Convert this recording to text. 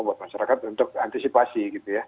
buat masyarakat untuk antisipasi